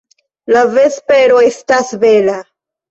La vespero estas bela!